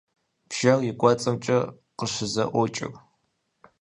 Бжэр и кӏуэцӏымкӏэ къыщызэӏуокӏыр.